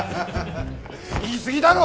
言い過ぎだろ！